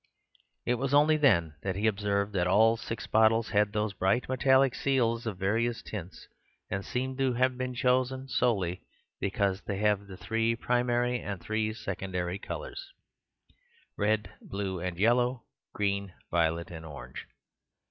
It was only then that he observed that all six bottles had those bright metallic seals of various tints, and seemed to have been chosen solely because they have the three primary and three secondary colours: red, blue, and yellow; green, violet and orange.